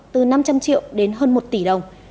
từ năm trăm linh triệu đến hơn một tỷ đồng